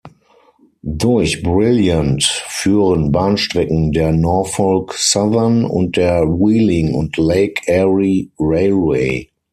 Durch Brilliant führen Bahnstrecken der Norfolk Southern und der Wheeling and Lake Erie Railway.